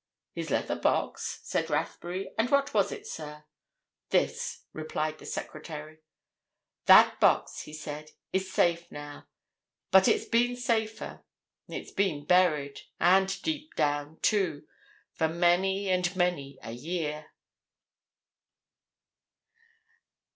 "His leather box?" said Rathbury. "And what was it, sir?" "This," replied the secretary. "'That box,' he said, 'is safe now. But it's been safer. It's been buried—and deep down, too—for many and many a year!